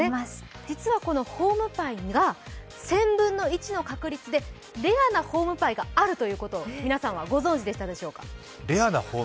実はこのホームパイが１０００分の１の確率でレアなホームパイがあるということを皆さんはご存じでしたでしょうか。